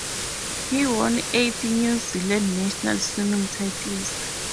He won eight New Zealand national swimming titles.